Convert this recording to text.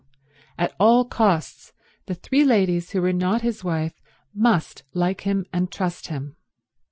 At all costs the three ladies who were not his wife must like him and trust him.